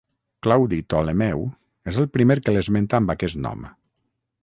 Claudi Ptolemeu és el primer que l'esmenta amb aquest nom.